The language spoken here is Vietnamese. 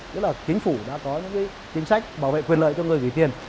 tức là chính phủ đã có những chính sách bảo vệ quyền lợi cho người gửi tiền